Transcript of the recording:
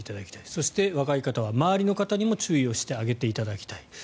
そして若い方は周りの方にも注意をしていただきたい。